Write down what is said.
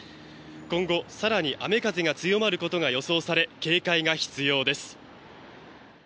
今後、更に雨風が強まることが予想され警戒が必要です。